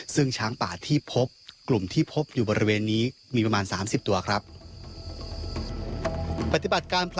ซึ่งช้างป่าที่พบ